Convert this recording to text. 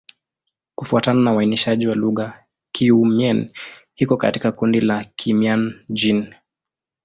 Kufuatana na uainishaji wa lugha, Kiiu-Mien iko katika kundi la Kimian-Jin.